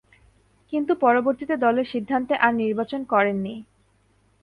কিন্তু পরবর্তীতে দলের সিদ্ধান্তে আর নির্বাচন করেননি।